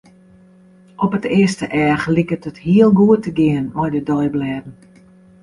Op it earste each liket it heel goed te gean mei de deiblêden.